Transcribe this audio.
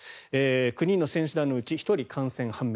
９人の選手団のうち１人感染判明。